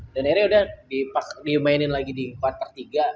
dan akhirnya udah di mainin lagi di quarter tiga